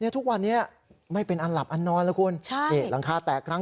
ทุกวันนี้ไม่เป็นอันหลับอันนอนแล้วคุณ